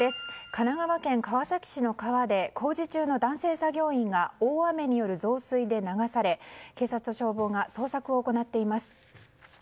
神奈川県川崎市の川で工事中の男性作業員が大雨による増水で流され警察と消防が捜索を行っています。